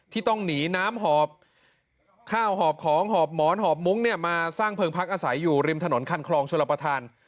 ที่ต้องหนีน้ำหอบข้าวหอบของหอบหมอนหอบมุ้งเนี่ยมาสร้างเพลิงพักอาศัยอยู่ริมถนนคันคลองชลประธาน